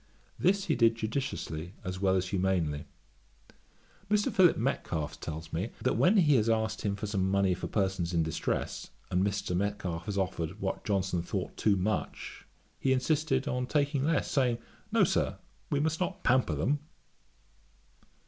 This he did judiciously as well as humanely. Mr. Philip Metcalfe tells me, that when he has asked him for some money for persons in distress, and Mr. Metcalfe has offered what Johnson thought too much, he insisted on taking less, saying 'No, no, Sir; we must not pamper them.'